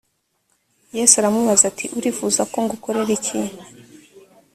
yesu aramubaza ati urifuza ko ngukorera iki‽